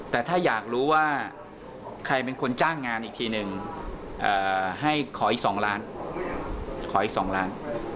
แต่ถ้าอยากรู้ว่าใครเป็นคนจ้างงานอีกทีนึงให้ขออีก๒ล้านขออีก๒ล้าน